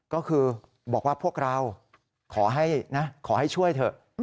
ก็คือบอกว่าพวกเราขอให้ช่วยเถอะ